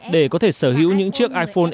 để có thể sở hữu những chiếc iphone x